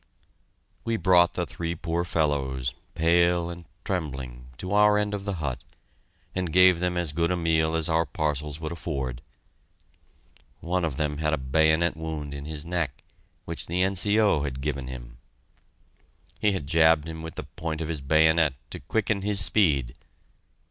We brought the three poor fellows, pale and trembling, to our end of the hut, and gave them as good a meal as our parcels would afford. One of them had a bayonet wound in his neck, which the N.C.O. had given him. He had jabbed him with the point of his bayonet, to quicken his speed.